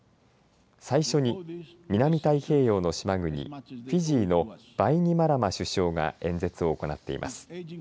最初に南太平洋の島国フィジーのバイニマラマ首相が演説を行っています。